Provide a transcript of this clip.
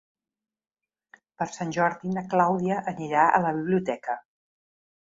Per Sant Jordi na Clàudia anirà a la biblioteca.